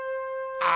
あ！